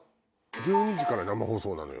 １２時から生放送なのよ。